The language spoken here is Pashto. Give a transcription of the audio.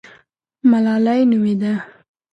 ملالۍ نومېده.